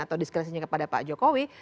atau diskresinya kepada pak jokowi